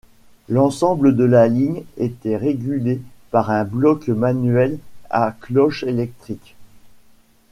L'ensemble de la ligne était régulé par un block manuel à cloches électriques.